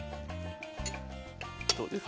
どうですか？